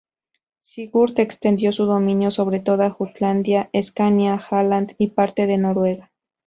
Sigurd extendió su dominio sobre toda Jutlandia, Escania, Halland y parte de Noruega.